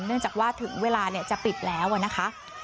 เนื่องจากว่าถึงเวลาจะปิดแล้วนะคะ